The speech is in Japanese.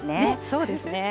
そうですね。